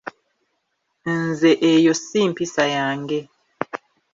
Nze eyo si mpisa yange.